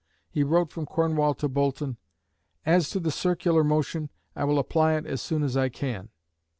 He wrote from Cornwall to Boulton: "As to the circular motion, I will apply it as soon as I can."